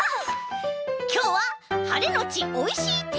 きょうははれのちおいしいてんきです！